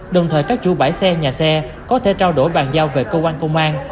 đồng thời các chủ bãi xe nhà xe có thể trao đổi bàn giao về công an công an